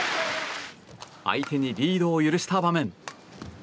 相手にリードを許した場面。